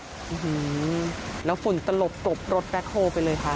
อือหือแล้วฝุ่นตลบตบรถแบคโฮไปเลยคะ